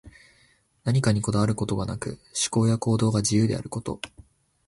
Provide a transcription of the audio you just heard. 何かにこだわることがなく、思考や行動が自由であること。